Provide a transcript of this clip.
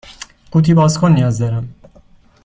قوطی باز کن نیاز دارم.